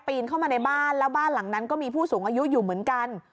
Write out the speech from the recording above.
เข้ามาในบ้านแล้วบ้านหลังนั้นก็มีผู้สูงอายุอยู่เหมือนกัน